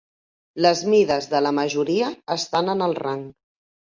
Les mides de la majoria estan en el rang.